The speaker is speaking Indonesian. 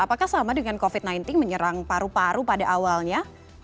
apakah sama dengan covid sembilan belas menyerang paru paru pada awalnya